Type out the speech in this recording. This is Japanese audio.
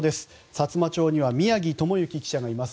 さつま町には宮城智之記者がいます。